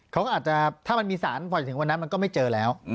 เขาก็อาจจะถ้ามันมีสารพอถึงวันนั้นมันก็ไม่เจอแล้ว